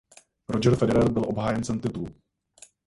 Roger Federer byl obhájcem titulu.